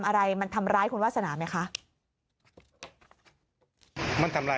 อายุประมาณเท่าไร